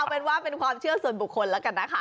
เอาเป็นว่าเป็นความเชื่อส่วนบุคคล